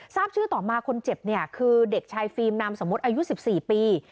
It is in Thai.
ทราบชื่อต่อมาคนเจ็บเนี่ยคือเด็กชายฟิล์มนามสมมติอายุ๑๔ปี